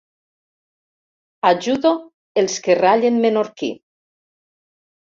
Ajudo els que rallen menorquí.